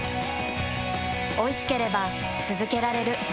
おいしければつづけられる。